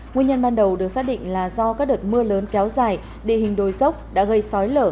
nguyên nhân ban đầu được xác định là do các đợt mưa lớn kéo dài đề hình đôi dốc đã gây xói lở